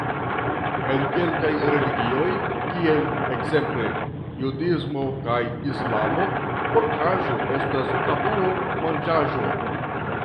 En kelkaj religioj, kiel ekzemple judismo kaj Islamo, porkaĵo estas tabuo-manĝaĵo.